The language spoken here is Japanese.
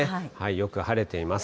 よく晴れています。